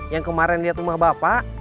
yang kemarin lihat rumah bapak